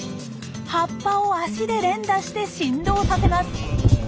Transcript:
葉っぱを脚で連打して振動させます。